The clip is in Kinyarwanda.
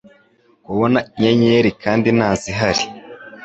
kubona inyenyeri kandi ntazihari,